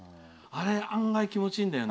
案外、気持ちいいんだよね。